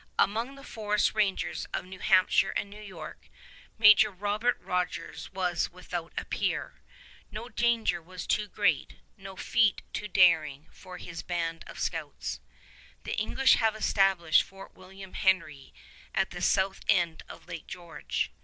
Among the forest rangers of New Hampshire and New York, Major Robert Rogers was without a peer. No danger was too great, no feat too daring, for his band of scouts. The English have established Fort William Henry at the south end of Lake George.